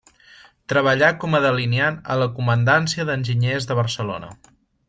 Treballà com a delineant a la Comandància d'Enginyers de Barcelona.